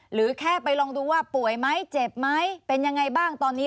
หรือแค่ไปลองดูว่าป่วยไหมเจ็บไหมเป็นยังไงบ้างตอนนี้